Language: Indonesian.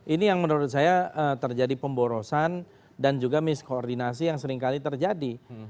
ini yang menurut saya terjadi pemborosan dan juga miskoordinasi yang seringkali terjadi